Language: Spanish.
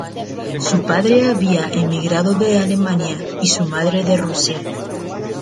Su padre había emigrado de Alemania y su madre de Rusia.